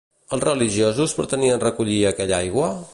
Els religiosos pretenien recollir aquella aigua?